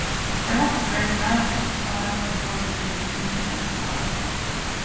Euroopa projekti algusest alates on proovitud liikuda ühise kaitse poole.